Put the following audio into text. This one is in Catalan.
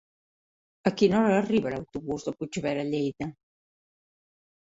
A quina hora arriba l'autobús de Puigverd de Lleida?